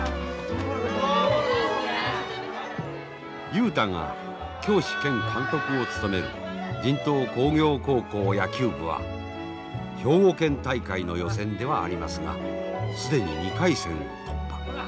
雄太が教師兼監督を務める神東工業高校野球部は兵庫県大会の予選ではありますが既に２回戦を突破。